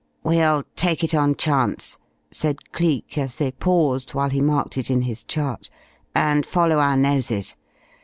"We'll take it on chance," said Cleek as they paused, while he marked it in his chart, "and follow our noses.